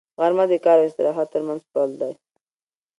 غرمه د کار او استراحت تر منځ پل دی